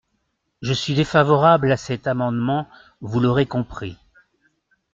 Je suis défavorable à cet amendement, vous l’aurez compris.